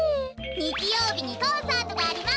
にちようびにコンサートがあります！